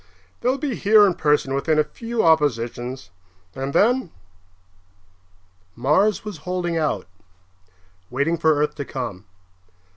They'll be here in person within a few oppositions. And then " Mars was holding out, waiting for Earth to come.